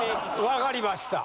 わかりました。